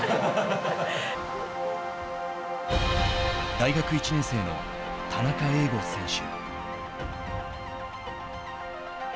大学１年生の田中映伍選手。